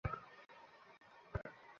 আসলে, তুমি খুনী নও।